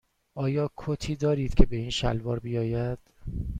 آیا کتی دارید که به این شلوار بیاید؟